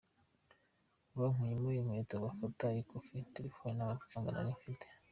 Bankuyemo inkweto, bafata ikofi, telefoni n’amafaranga nari mfite.